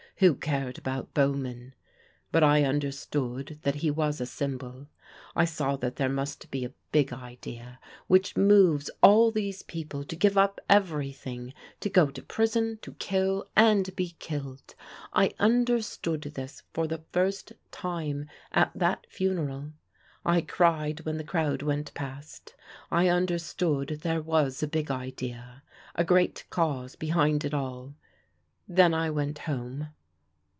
Who cared about Bauman? But I understood that he was a symbol. I saw that there must be a big idea which moves all these people to give up everything, to go to prison, to kill, and be killed. I understood this for the first time at that funeral. I cried when the crowd went past. I understood there was a big idea, a great cause behind it all. Then I went home.